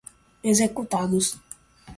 executados